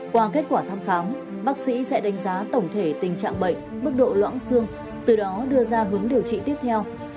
qua kết quả thăm khám bác sĩ sẽ đánh giá tổng thể tình trạng bệnh mức độ loãng xương từ đó đưa ra hướng điều trị tiếp theo